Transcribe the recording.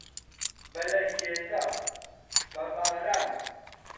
بە لەنگێزە، بە باران